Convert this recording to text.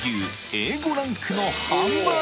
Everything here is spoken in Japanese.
Ａ５ランクのハンバーグ